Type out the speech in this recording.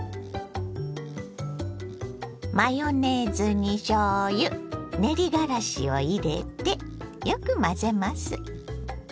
マヨネーズにしょうゆ練りがらしを入れてよく混ぜます。